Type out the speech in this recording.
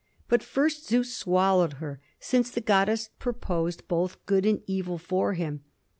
But first Zeus swallowed her, since the goddess purposed both good and evil for him....